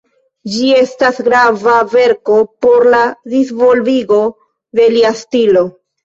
Ĝi estas grava verko por la disvolvigo de lia stilo.